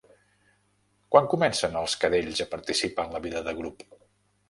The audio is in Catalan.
Quan comencen els cadells a participar en la vida de grup?